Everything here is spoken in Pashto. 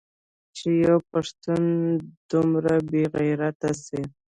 چې يو پښتون دې دومره بې غيرته سي.